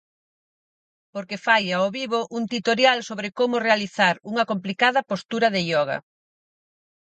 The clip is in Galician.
Porque fai ao vivo un titorial sobre como realizar unha complicada postura de ioga.